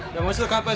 乾杯。